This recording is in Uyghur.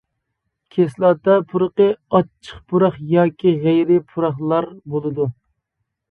كىسلاتا پۇرىقى، ئاچچىق پۇراق ياكى غەيرىي پۇراقلار بولىدۇ.